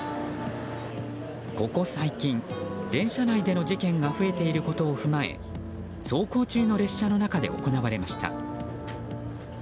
ここ最近、電車内での事件が増えていることを踏まえ走行中の列車の中で行われました。